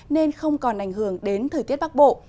nên không còn ảnh hưởng đến thời tiết bắc bộ